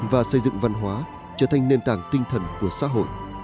và xây dựng văn hóa trở thành nền tảng tinh thần của xã hội